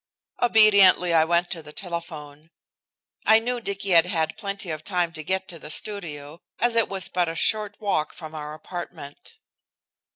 Obediently I went to the telephone. I knew Dicky had had plenty of time to get to the studio, as it was but a short walk from our apartment.